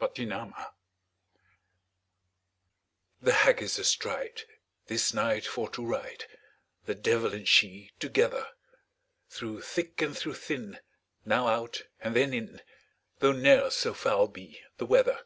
THE HAG The Hag is astride, This night for to ride, The devil and she together; Through thick and through thin, Now out, and then in, Though ne'er so foul be the weather.